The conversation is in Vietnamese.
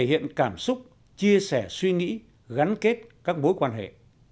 giúp chia sẻ suy nghĩ gắn kết các bối quan hệ